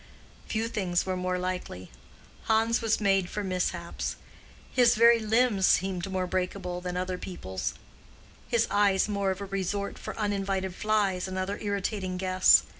Few things were more likely. Hans was made for mishaps: his very limbs seemed more breakable than other people's—his eyes more of a resort for uninvited flies and other irritating guests.